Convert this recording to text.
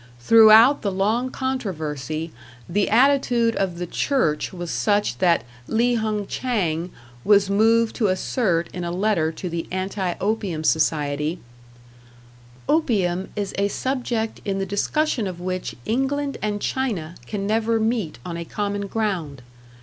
Throughout the long controversy the attitude of the church was such that Li Hung Chang was moved to assert in a letter to the Anti Opium Society: Opium is a subject in the discussion of which England and China can never meet on a common ground.